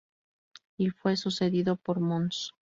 Y fue sucedido por Mons.